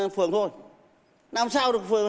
phường thôi năm sau được